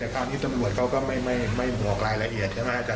แต่ตอนนี้ตำรวจเขาก็ไม่บอกรายละเอียดใช่ไหม